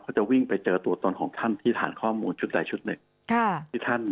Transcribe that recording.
เขาจะวิ่งไปเจอตัวตนของท่านที่ฐานข้อมูลชุดใดชุดหนึ่ง